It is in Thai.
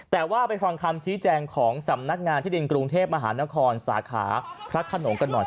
แต่ว่าไปฟังคำชี้แจงของสำนักงานที่ดินกรุงเทพมหานครสาขาพระขนงกันหน่อย